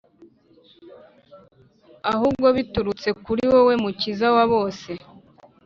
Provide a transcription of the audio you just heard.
ahubwo biturutse kuri wowe, Mukiza wa bose.